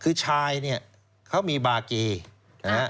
คือชายเขามีบาร์เกย์